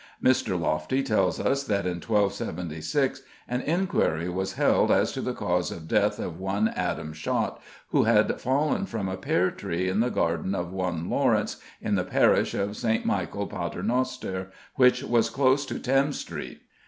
Mr. Loftie tells us that in 1276 an inquiry was held as to the cause of death of one Adam Shott, who had fallen from a pear tree in the garden of one Laurence, in the parish of St. Michael Paternoster, which was close to Thames Street.